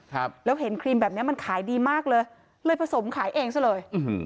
ครับแล้วเห็นครีมแบบเนี้ยมันขายดีมากเลยเลยผสมขายเองซะเลยอืม